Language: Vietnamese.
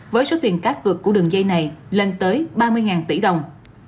với số tiền cát vượt của đường dây này lên tới ba mươi tỷ đồng